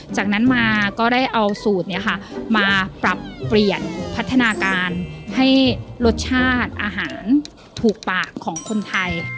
จากนั้นมาก็ได้เอาสูตรนี้ค่ะมาปรับเปลี่ยนพัฒนาการให้รสชาติอาหารถูกปากของคนไทย